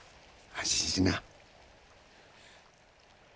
安心しな。